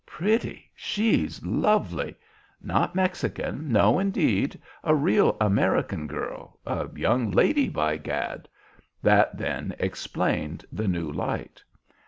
Pretty! She's lovely. Not Mexican. No, indeed! A real American girl, a young lady, by Gad!'" That, then, explained the new light.